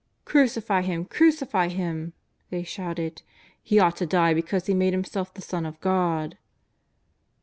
''" Crucify Him ! Crucify Him !" they shouted. " He ought to die because He made Himself the Son of God."